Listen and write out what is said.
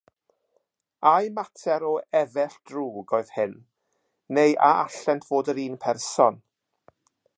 Ai mater o 'efell drwg' oedd hyn, neu a allent fod yr un person?